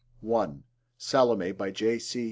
(1) Salome. By J. C.